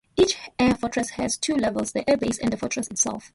Each Air Fortress has two levels: the Air Base and the Fortress itself.